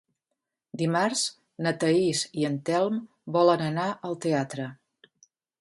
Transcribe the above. Dimarts na Thaís i en Telm volen anar al teatre.